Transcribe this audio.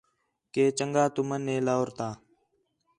کہ چنڳا تُمن ہِے لاہور تا